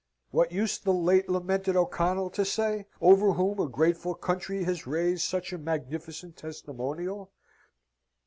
What used the late lamented O'Connell to say, over whom a grateful country has raised such a magnificent testimonial?